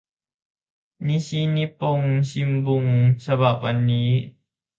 นิชินิปปงชิมบุง ฉบับวันนี้